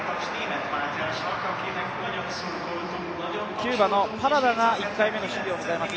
キューバのパラダが１回目の試技を行います。